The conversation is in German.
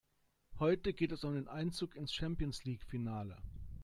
Heute geht es um den Einzug ins Champions-League-Finale.